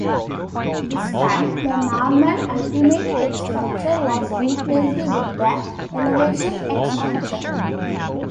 This time, the normal Ultimate X structure was replaced with the Elevation X structure.